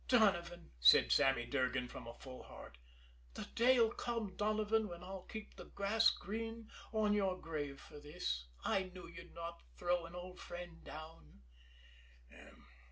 "Donovan," said Sammy Durgan from a full heart, "the day'll come, Donovan, when I'll keep the grass green on your grave for this. I knew you'd not throw an old friend down."